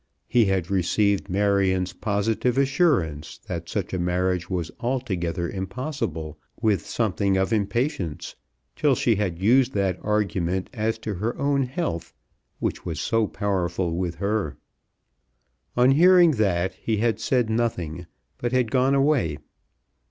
He had received Marion's positive assurance that such a marriage was altogether impossible with something of impatience till she had used that argument as to her own health, which was so powerful with her. On hearing that he had said nothing, but had gone away.